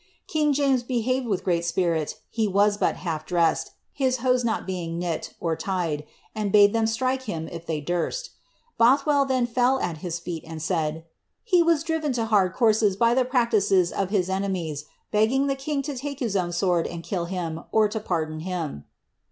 King James behaved with great spirit, he was but half dressed, his hose not being knit (tied), and bade them strike him if they durst Both well then fell at his feet, and said, ^^ he was driven to hard courses by the practices of his enemies, begging the king to take his own sword and kill him, or to pardon him."